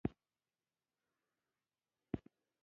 دا وحشي او سخت چلند له حیواناتو سره هم نه کیده.